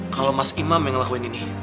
kalau mas imam yang ngelakuin ini